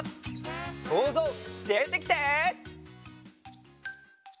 そうぞうでてきて！